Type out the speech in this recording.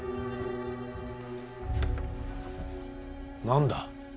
何だ。